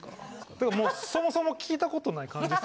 ってかもうそもそも聞いたことない感じ。